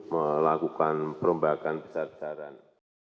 melakukan perombakan besar besaran